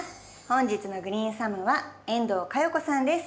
本日のグリーンサムは遠藤佳代子さんです。